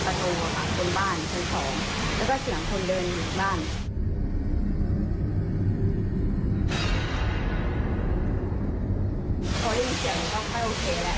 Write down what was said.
หรือว่าคุณยังไม่อยู่